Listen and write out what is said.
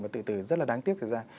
mà tự tử rất là đáng tiếc thực ra